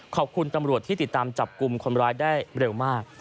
ขอบคุณตำรวจที่ติดตามจับกลุ่มคนร้ายได้เร็วมาก